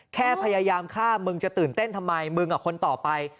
แค่พยายามฆ่ามึงจะตื่นเต้นทำไมมึงกับคนต่อไป